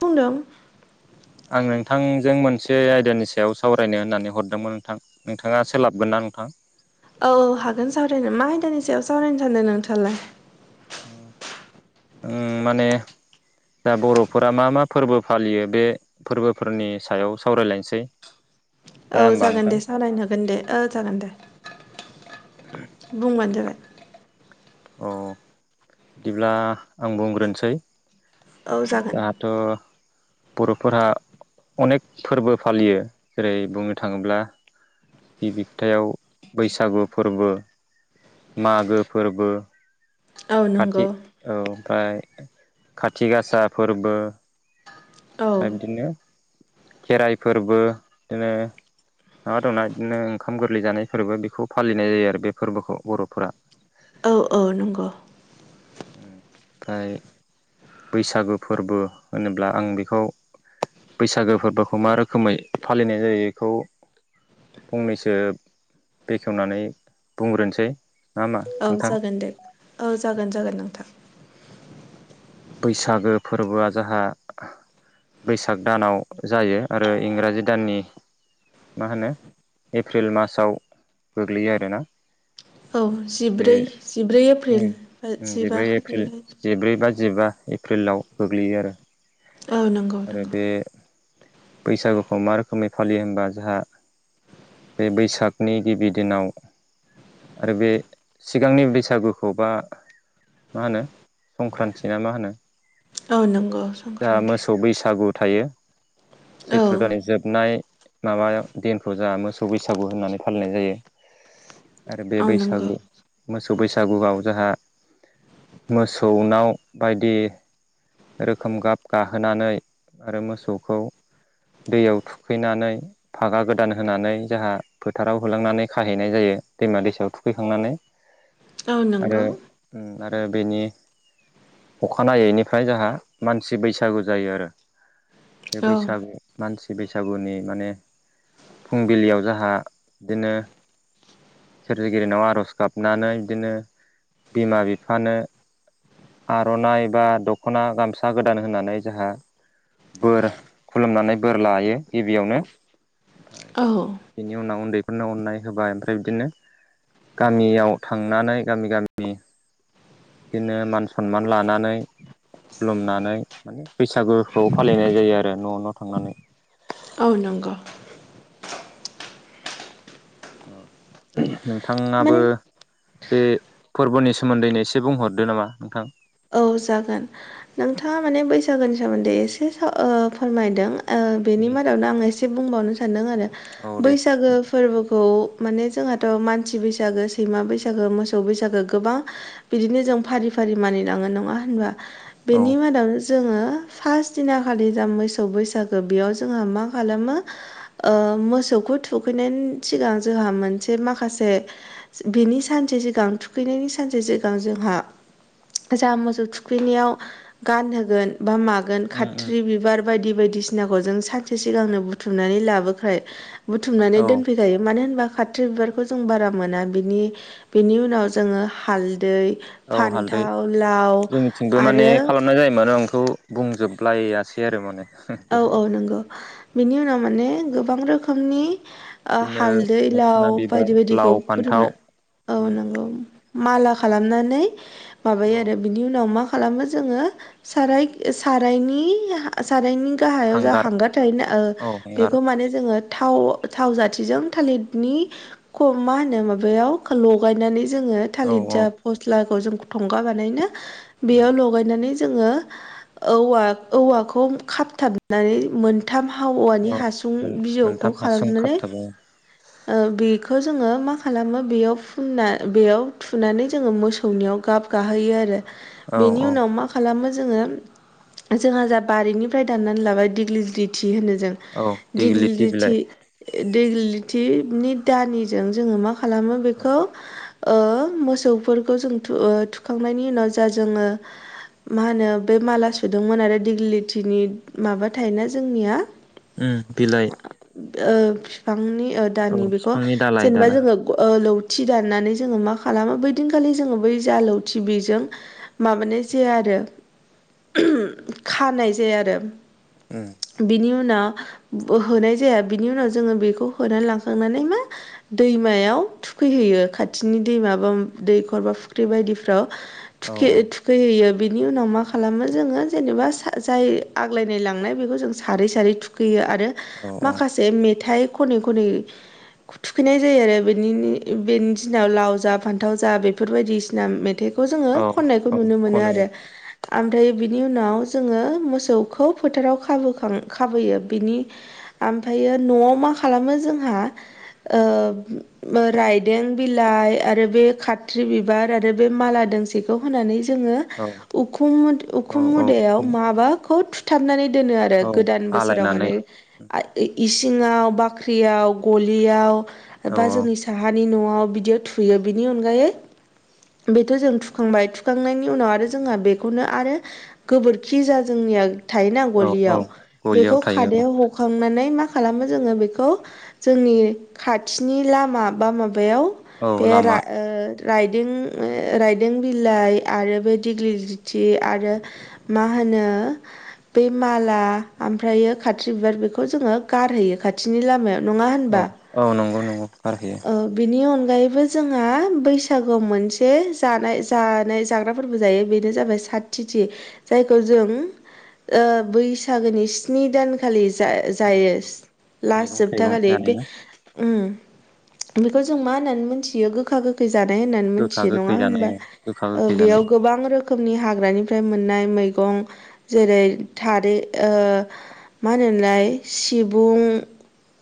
बुंदों आं नोंथांजों मोनसे आयदानि सायाव सावरायनो होननानै हरदोंमोन नोंथां नोंथाङा सोलाबगोन ना नोंथां औ औ हागोन सावरायनो मा आयदानि सायाव सावरायनो सानदों नोंथाङालाय उम माने दा बर'फोरा मा मा फोरबो फालियो बे फोरबोफोरनि सायाव सावरायलायनोसै औ जाया होमबा जागोन नोंथां दे सावरायनो हागोन दे ओ जागोन दे बुंबानो जाबाय औ बिदिब्ला आं बुंग्रोनोसै औ जागोन थ' बर'फोरा अनेक फोरबो फालियो जेरै बुंनो थाङोब्ला गिबि खोथायाव बैसागु फोरबो मागो फोरबो औ खाथि नंगौ औ ओमफ्राय खाथि गासा फोरबो औ बा इदिनो खेराइ फोरबो इदिनो माबा दंना इदिनो ओंखाम गोरलै जानाय फोरबो बेखौ फालिनाय जायो आरो बे फोरबोखौ बर'फोरा औ औ नंगौ ओमफ्राय बैसागो फोरबो होनोब्ला आं बे औ बैसागो फोरबोखौ मा रोखोमै फालिनाय जायो बेखौ फंनैसो बेखेवनानै बुंग्रोनोसै। नङा होमबा औ नोंथां जागोन दे औ जागोन जागोन नोंथां। बैसागो फोरबोआ जाहा बैसाग दानाव जायो आरो इंराजि दाननि मा होनो एप्रिल मासाव गोग्लैयो आरोना। औ बे जिब्रै जिब्रै एप्रिल जिबा जिब्रै एप्रिल खालिनिफ्राय जिब्रै बा जिबा एप्रिलाव गोग्लैयो आरो। औ नंगौ आरो नंगौ बे बैसागुखौ मा रोखोमै फालियो होनबा जोंहा बे बैसागनि गिबि दिनाव आरो बे सिगांनि बैसागुखौ बा मा होनो संक्रान्ति ना मा होनो औ नंगौ जाहा संक्रान्ति मोसौ बैसागु थायो। औ सैथ्र' दानि जोबनाय माबा दिनखौ जोंहा मोसौ बैसागु होननानै फालिनाय जायो। आरो बे औ नंगौ बैसागु मोसौ बैसागुआव जोंहा मोसौनाव बायदि रोखोम गाब गाहोनानै ओरै मोसौखौ दैयाव थुखैनानै फागा गोदान होनानै जोंहा फोथाराव होलांनानै खाहैनाय जायो दैमा दैसायाव थुखैखांनानै। [inaudible] नंगौ आरो आरो बेनि अखानायैनिफ्राय जोंहा मानसि बैसागु जायो आरो। बे औ बैसागु मानसि बैसागुनि माने फुंबिलियाव जोंहा इदिनो सोरजिगिरिनाव आर'ज गाबनानै बिदिनो बिमा बिफानो आर'नाइ बा दख'ना गामसा गोदान होननानै जोंहा बोर खुलुमनानै बोर लायो गिबियावनो। औ बिनि उनाव उन्दैफोरनो अननाय होबाय ओमफ्राय बिदिनो गामियाव थांनानै गामि गामि बिदिनो मान सनमान लानानै खुलुमनानै बैसागुखौ फालिनाय जायो आरो न' न' थांनानै। आ नंगौ। नोंथाङाबो माने बे फोरबोनि सोमोन्दैनो एसे बुंहरदो नामा नोंथां। औ जागोन नोंथाङा माने बैसागुनि सोमोन्दै एसे साव ओ फोरमायदों। ओ बेनि मादावनो आं एसे बुंबावनो सानदों आरो औ दे बैसागो फोरबोखौ माने जोंहाथ' मानसि बैसागो सैमा बैसागो मोसौ बैसागो गोबां बिदिनो जों फारि फारि मानिलाङो नङा होनबा औ बेनि मादावनो जों जोङो फास दिना खालि जाहा मोसौ बैसागो बेयाव जोंहा मा खालामो ओ मोसौखौ थुखैनायनि सिगां जोंहा मोनसे माखासे बेनि सानसे सिगां थुखैनायनि सानसे सिगां जोंहा जा मोसौ थुखैनायाव गानहोगोन बा मागोन खाथ्रि बिबार बायदि बायदिसिनाखौ जों सानसे सिगांनो बुथुमनानै लाबोखायो बुथुमनानै औ दोनफै खायो मानो होनबा खाथ्रि बिबारखौ जों बारा मोना बिनि बेनि उनाव जोङो हालदै फान्थाव लाव थिंबो माने आरो खालामनाय जायोमानो आं इखौ बुंजोबलायासै आरो माने। औ औ दहाय नंगौ बिनि उनाव माने गोबां रोखोमनि ओ बिदिनो हालदै लाव मोखोना बिबार बायदि लाव बायदिखौ फान्थाव फुदुंनो औ नंगौ। माला खालामनानै माबायो औ आरो। बिनि उनाव मा खालामो जोङो साराय सारायनि सारायनि गाहायाव जा हांगार थायोना औ हांगार बेखौ माने जोङो थाव थाव जाथिजों थालिरनि मा होनो माबायाव लगायनानै जोङो औ थालिर औ जा फस्लाखौ जों थंगा बानायो ना बेयाव लगायनानै जोङो औवा औवाखौ खाबथाबनानै मोन थाम औवानि औ हासुं बिजौखौ मोनथाम हासुं खालामनानै खाबथाबो बेखौ जोङो मा खालामो बेयाव फुनना बेयाव थुनानै जोङो मोसौनियाव गाब गाहोयो आरो औ बेनि औ उनाव मा मा खालामो जोङो जोंहा जा बारिनिफ्राय दाननानै लाबाय दिग्लि लिथि होनो जों औ दिग्लि दिग्लिथि बिलाइ लिथि दिग्लि लिथिनि दानिजों जोङो मा खालामो औ बेखौ ओ मोसौफोरखौ जों ओ थुखांनायनि उनाव जा जोङो मा होनो बे माला सुदोंमोन आरो दिग्लि लिथिनि माबा थायोना जोंनिया उम बिलाइ ओ बिफांनि औ दानि ओ बेखौ बिफांनि दालाय जेनेबा दालाय जोङो ओ लौथि दाननानै जोङो मा खालामो बैदिन खालि जोङो बै जा लौथि बेजों माबानाय जाया आरो खानाय जाया आरो उम बिनि उनाव होनाय जाया बिनि उनाव जोङो बेखौ होना लांखांनानै मा दैमायाव थुखैहैयो खाथिनि दैमा बा दैखर बा फुख्रि बायदिफ्राव औ थुखि औ थु खैहैयो बिनि उनाव मा खालामो जोङो जेनेबा जाय आग्लायनाय लांनाय बेखौ जों सारै सारै थु खैयो आरो औ माखासे मेथाइ खनै खनै थुखैनाय जायो आरो बेनि बेनि दिनाव लाव जा फानथाव जा बेफोर बायदिसिना मेथाइ खौ जोङो औ खननायखौ औ नुनो मोनो खनो आरो ओमफ्राय बिनि उनाव जोङो मोसौखौ फोथाराव खाबोखां खाबोयो बिनि ओमफ्रायो न'वाव मा खालामो जोंहा ओ ओ रायदों बिलाइ आरो बे खाथ्रि बिबार आरो बे माला दोंसेखौ होनानै जोङो औ उखुम उखुम औ औ मुदायाव माबाखौ थु थुथाबनानै दोनो आरो औ गोदान बोसोराव माने आलायनानै इसिङाव बा ख्रियाव गलियाव औ बा औ जोंनि साहानि न'वावनो बिदियाव थुयो बिनि अनगायै बेथ' जों थुखांबाय थुखांनायनि उनाव आरो जोंहा बेखौनो आरो गोबोरखि जा जोंनिया थायोना औ औ गलियाव गलियाव बेखौ थायो औ खादायाव हखांनानै मा खालामो जोङो बेखौ जोंनि खाथिनि लामा बा माबायाव औ बे रा लामा राइदों राइदों बिलाइ आरो बे दिग्लि लिथि आरो मा होनो बे माला ओमफ्रायो खाथ्रि बिबार बेखौ जोङो गारहैयो खाथिनि लामायाव नङा औ औ नंगौ नंगौ गारहैयो बेनि अनगायैबो जोंहा बैसागुआव मोनसे जानाय जानाय जाग्रा फोरबो जायो बेनो जाबाय जाय टिथि जायखौ जो ओ बैसागोनि सि स्नि दानखालि जा जायो लास मैगं जोबथा थाइगं खालि जानाय बे ना उम बेखौ जों मा होननानै मिथियो गोखा गो खै जानाय होननानै गोखा मिथियो गोखै नङा जानाय होनबा गोखा गोखै जानाय बेयाव गोबां रो रोखोमनि हाग्रानिफ्राय मोननाय मैगं जेरै थारै ओ मा होनोमोनलाय सिब ब्रु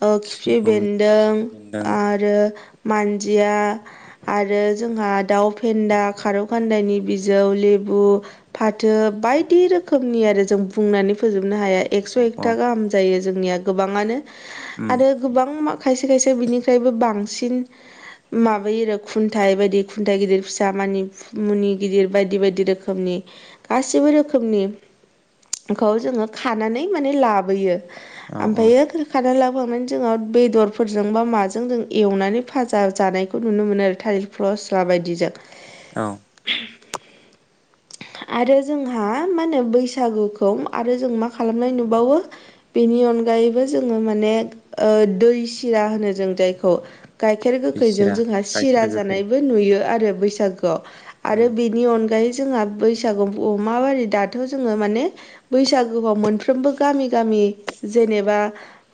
ओ खिफि सिबुं बेन्दों बेन्दों आरो मानदिया आरो जोंहा दाउ फेन्दा खारौ गान्दाय बिजौ लेबु फाथो बायदि रोखोमनि आरो जों बुंनानै फोजोबनो हाया एकस' औ औ एकथा गाहाम जायो जोंनिया गोबाङानो उम आरो गोबां मा खायसे खायसे बिनिफ्रायबो बांसिन माबायो आरो खुन्थाइ बायदि खुन्थाइ गिदिर फिसा मानि मुनि गिदिर बायदि बायदि रोखोमनि गासैबो रोखोमनि बेखौ जोंङो खानानै माने लाबोयो औ औ ओमफ्रायो खाना लाबोखांनानै जोंङो बेदरफोरजों बा माजों जों एवनानै फाजा जानायखौ नुनो मोनो आरो थालिर फस्ला बायदिजों औ आरो जोंहा मा होनो बैसागोखौ आरो जों मा खालामनाय नुबावो बेनि अनगायैबो जोंङो माने ओ दै सिरा होनो जों जायखौ गाइखेर गोखैजों लेसिरा जोंहा सिरा गाइखेर गोखै जानायबो नुयो आरो बैसागोयाव उम आरो बे नि अनगायै जोंहा बैसागुखौ‌ मि बि दाथ' जोंङो माने बैसागोयाव मोनफ्रोमबो गामि गामि जेनेबा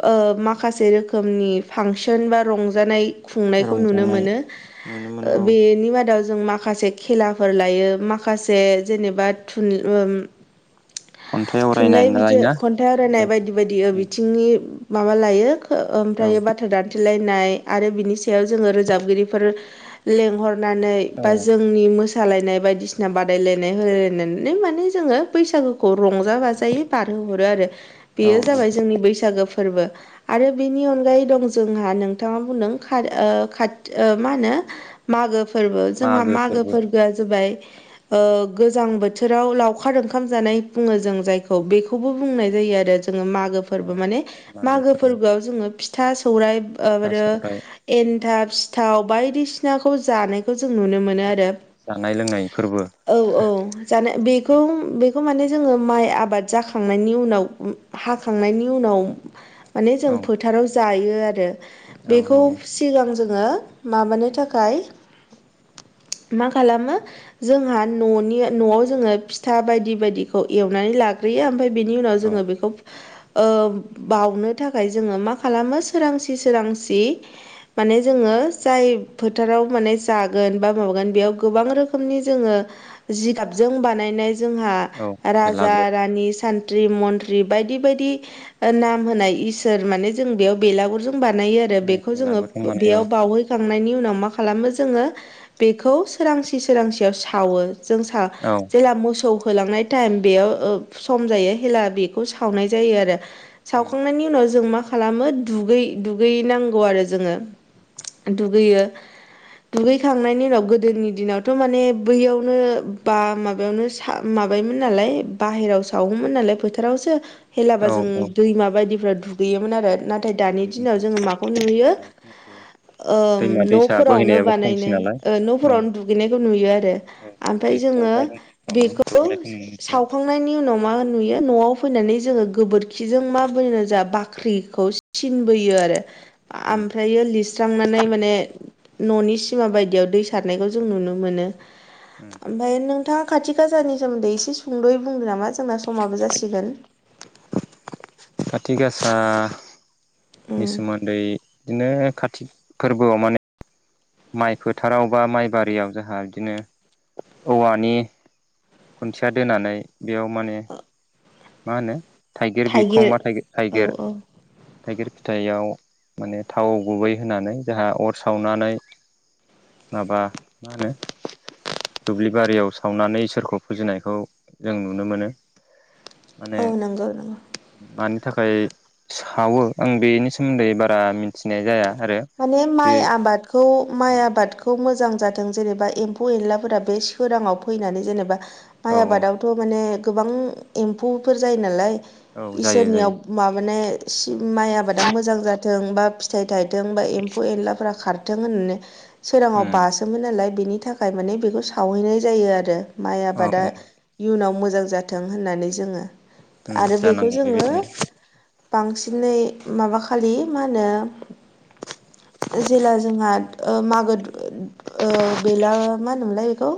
ओ माखासे रोखोमनि फांसन बा रंजानाय खुंनायखौ नुनो रंजानाय मोनो नुनो मोनो औ बेनि मादाव जों माखासे खेलाफोर लायो मा खासे जेनेबा थुन ओ खन्थाइ आवरायनाय थुनलाइ नालाय बिजिर ना खन खनथाइ आवरायनाय बायदि बायदि औ बिथिंनि माबा लायो ओमफ्राय बाथ्रा दान लायनाय आरो बिनि सायाव जोंङो रोजाबगिरिफोर लेंहरनानै औ बा जों नि मोसालायनाय बायदिसिना बायदिसिना बादायलायनाय होलायलायनानै माने जोङो बैसागोखौ रंजा बाजायै बारहोहरो आरो बेयो औ जाबाय जोंनि बैसागो फोरबो आरो बेनि अनगायै दं जोंहा नोंथांङा बुंदों खाथि मा होनो मागो फोरबो जोंहा मागो फोरबोया जाबाय ओ गोजां बोथोराव लावखार ओंखाम जानाय बुंङो जों जायखौ बेखौबो बुंनाय जायो आरो जोंङो मा औ बेफोरबो माने मागो फोरबोआव जोंङो फिथा सौराइ [unintelligible] फिथा आरो सावराय एन्थाब सिथाव बायदिसिनाखौ जानायखौ जों नुनो मोनो आरो जानाय लोंनाय फोरबो औ औ जानाय बेखौ बेखौ माने जोंङो माइ आबाद जाखांनायनि उनाव हाखांनायनि उनाव माने जों औ फोथाराव जायो आरो औ बेखौ नंगौ सिगां जोंङो माबानो थाखाय मा खालामो जोंहा न'नि न'आव जोंङो फिथा बायदि बायदिखौ एवनानै लाग्रोयो ओमफ्राय बिनि उनाव औ जोंङो बेखौ ओ बावनो थाखाय जोंङो मा खालामो सोरांसि सोरांसि माने जोंङो जाय फोथाराव माने जागोन बा माबागोन बेयाव गोबां रोखोमनि जोंङो जिगाबजों बानायनाय जोंहा औ राजा बेलागुर रानि सान मन्त्रि मन्त्रि बायदि बायदि नाम होनाय इसोर माने जों बेयाव बेलागुरजों बानायो आरो दा बेखौ जोंङो बेलागुर होनबानाय औ बेयाव बावो खांनायनि उनाव मा खालामो जोंङो बेखौ सोरांसि सोरांसियाव सावो जों सा औ जेला मोसौ फोलांनाय टाइम बेयाव सम जायो हेब्ला बेखौ सावनाय जायो आरो सावखांनायनि उनाव जों मा खालाम खालामो दुगै दुगै नांगौ आरो जोंङो दुगैयो दुगैखांनायनि उनाव गोदोनि दिनावथ' माने बैयावनो बा माबायावनो माबायोमोन नालाय बाहेरायाव सावोमोन नालाय फोथारावसो। हेलाबा औ जों औ दैमा बायदिफ्राव दुगैयोमोन आरो नाथाय दानि दिनाव जोंङो माखौ नुहैयो। ओम दैमा दैसा न'फोरावनो बोहैनायाबो खमसै नालाय बानायनो औ न'फोरावनो दुगैनायखौ नुयो आरो औ ओमफ्राय बे जोङो दबनायखौ [unintelligible] मोनसै आरो नि उनाव मा नुयो न'आव फैनानै जोंङो गोबोरखिजों मा बोनो जा बाख्रिखौ सिन बोयो आरो ओमफ्राय उम ओमफ्रायो लिरस्रांनानै माने न'नि सिमा बायदियाव दै सारनायखौ जों नुनो मोनो उम ओमफ्राय नोंथांङा खाथि खालाानि सोमोनदै एसे सुंद'यै बुंदों नामा जोंना समाबो जासिगोन खातिग गासा उम नि सोमोन्दै बिदिनो कातिक फोरबोआव माने माइ फोथाराव बा माइ बारियाव जोंहा बिदिनो औवानि खुनथिया दोनानै बेयाव माने मा होनो थाइगिर बिखं बा थाइ औ थाइगिर औ थाइगिर फिथाइयाव माने थाव गुबै होनानै जाहा अर सावनानै माबा मा होनो दुब्लि बारियाव सावनानै इसोरखौ फुजिनायखौ जों नुनो मोनो। माने औ नंगौ नंगौ मानि थाखाय सावो आं बेनि सोमोन्दै बारा मिथिनाय जाया आरो माने बे माइ आबाद खौ माइ आबादखौ मोजां जाथों जेनेबा एम्फौ एनलाफोरा बे सोराङाव फैनानै जेनेबा माइ औ आबादावथ' माने गोबां एम्फौफोर जायो नालाय औ जायो इसोरनियाव जायो माबाने सि माइ आबादा मोजां जाथों बा फिथाइ थाइथों बा एम्फौ एनलाफोरा खार थों होननानै सोराङाव उम बासोमोन नालाय बेनि थाखाय माने बेखौ सावहैनाय जायो आरो। माइ औ आबादा औ इयुनाव मोजां जाथों होननानै जोङो। उम आरो बेखौ जानांगौ जोङो बेबायदिनो बांसिनै माबाखालि मा होनो जेला जोंहा ओ मागो बेला मा होनोमोनलाय बेखौ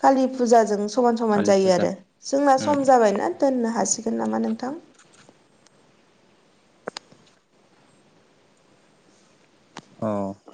कालि फुजाजों समान समान कालि जायो फुजा आरो जोंना सम उम जाबायना दोननो हासिगोन नामा नोंथां? अ